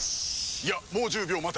いやもう１０秒待て。